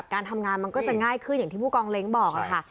การทำงานมันก็จะง่ายขึ้นอย่างที่ผู้กองเล้งบอกค่ะ